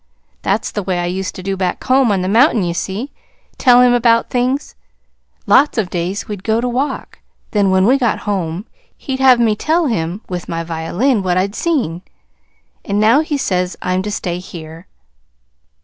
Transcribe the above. That's the way I used to do back home on the mountain, you see, tell him about things. Lots of days we'd go to walk; then, when we got home, he'd have me tell him, with my violin, what I'd seen. And now he says I'm to stay here."